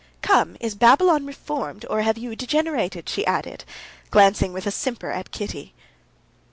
"Come, is Babylon reformed, or have you degenerated?" she added, glancing with a simper at Kitty.